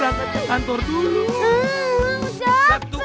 anak kita udah gitu